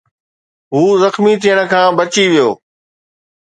هو زخمي ٿيڻ کان بچي ويو